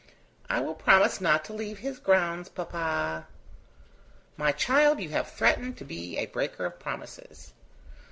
"I will promise not to leave his grounds, papa." "My child, you have threatened to be a breaker of promises."